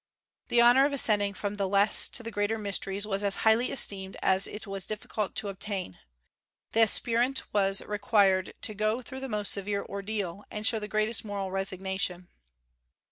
"The honor of ascending from the less to the greater mysteries was as highly esteemed as it was difficult to obtain. The aspirant was required to go through the most severe ordeal, and show the greatest moral resignation."